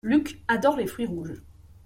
Luc adore les fruits rouges.